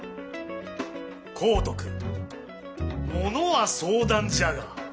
光徳ものは相談じゃが。